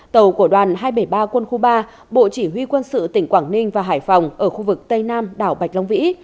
tàu của đoàn hai trăm bảy mươi ba quân khu ba bộ chỉ huy quân sự tỉnh quảng ninh và hải phòng ở khu vực tây nam đảo bạch long vĩ